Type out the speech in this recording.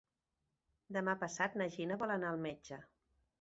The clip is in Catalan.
Demà passat na Gina vol anar al metge.